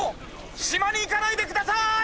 しまにいかないでください！